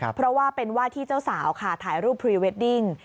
เพราะว่าเป็นว่าที่เจ้าสาวค่ะถ่ายรูปพรีเวดดิ้ง